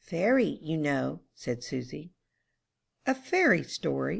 "Fairy, you know," said Susy. "A fairy story?"